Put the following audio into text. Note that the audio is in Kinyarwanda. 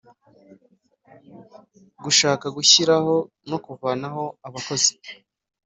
Gushaka gushyiraho no kuvanaho abakozi